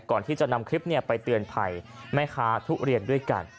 ก่อนที่จะนำคลิปไปเตือนภัยแม่ค้าทุเรียนด้วยกัน